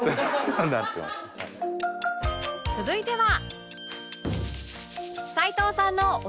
続いては